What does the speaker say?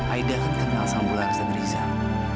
aida kenal sama bulan rizal